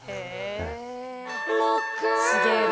すげえな。